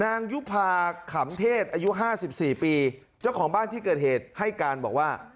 ยุภาขำเทศอายุห้าสิบสี่ปีเจ้าของบ้านที่เกิดเหตุให้การบอกว่า